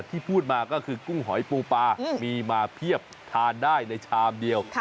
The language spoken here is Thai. ที่พูดมาก็คือกุ้งหอยปูปลามีมาเพียบทานได้ในชามเดียว